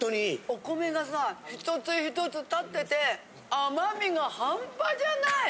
お米がさ１つ１つ立ってて甘みがハンパじゃない！